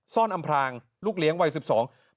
ซ่อนอำพรางเก็บไว้สูญริงป์๑๒